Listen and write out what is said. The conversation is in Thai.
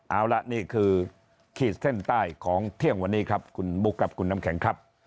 เอาละนี่คือขีดเส้นใต้ของเที่ยงวันนี้ครับคุณบุ๊คครับคุณน้ำแข็งครับ